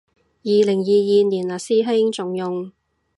二零二二年嘞師兄，仲用